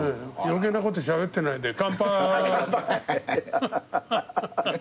余計なことしゃべってないでかんぱい。